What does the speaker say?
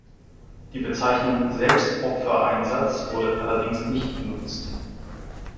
Die Bezeichnung "Selbstopfer-Einsatz" wurde allerdings nicht benutzt.